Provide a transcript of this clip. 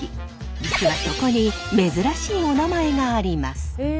実はそこに珍しいおなまえがあります。